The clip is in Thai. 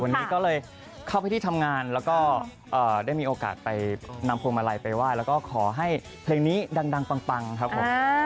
วันนี้ก็เลยเข้าไปที่ทำงานแล้วก็ได้มีโอกาสไปนำพวงมาลัยไปไหว้แล้วก็ขอให้เพลงนี้ดังปังครับผม